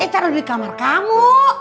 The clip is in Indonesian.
saya taruh di kamar kamu